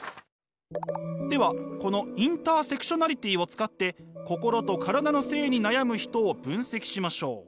ではこのインターセクショナリティを使って心と体の性に悩む人を分析しましょう。